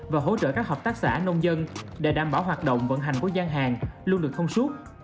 và hỗ trợ các hợp tác xã nông dân để đảm bảo hoạt động vận hành của gian hàng luôn được thông suốt